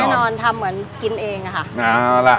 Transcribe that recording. แน่นอนทำเหมือนกินเองอะค่ะ